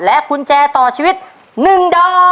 กุญแจต่อชีวิต๑ดอก